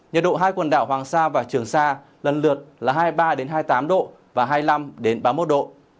nhiệt độ hai quần đảo hoàng sa và trường sa lần lượt là hai mươi ba hai mươi tám độ và hai mươi năm ba mươi một độ